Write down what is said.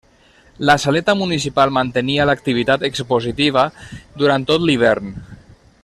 La Saleta Municipal mantenia l'activitat expositiva durant tot l'hivern.